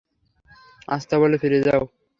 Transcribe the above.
আস্তাবলে ফিরে যাও।